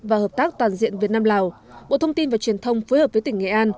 và hợp tác toàn diện việt nam lào bộ thông tin và truyền thông phối hợp với tỉnh nghệ an